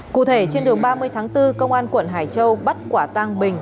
cụ thể trên đường ba mươi tháng bốn công an quận hải châu bắt quả tang bình